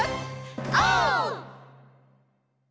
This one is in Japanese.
オー！